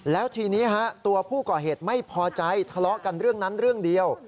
แล้วทีนี้ตัวผู้ก่อเหตุไม่พอใจทะเลาะกันเรื่องนั้นเรื่องเดียว